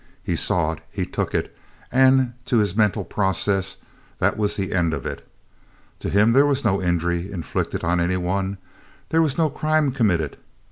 He saw it. He took it, and to his mental process, that was the end of it. To him there was no injury inflicted on any one, there was no crime committed.